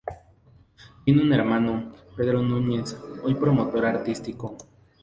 Tiene un hermano, Pedro Núñez, hoy promotor artístico.